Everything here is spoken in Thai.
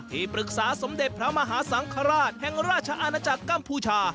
ที่ปรึกษาสมเด็จพระมหาสังฆราชแห่งราชอาณาจักรกัมพูชา